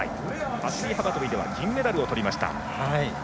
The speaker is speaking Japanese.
走り幅跳びで銀メダルをとりました。